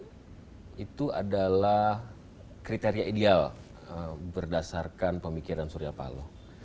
itu kan itu adalah kriteria ideal berdasarkan pemikiran surya pahlaw